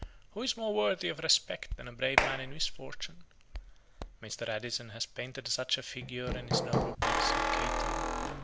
Who is more worthy of respect than a brave man in misfortune? Mr. Addison has painted such a figure in his noble piece of Cato.